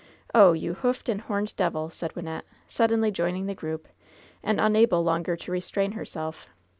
Oh, you hoofed and homed devil ! said Wynnette, suddenly joining the group and unable longer to restrain herself.